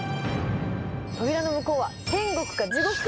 扉の向こうは天国か、地獄か？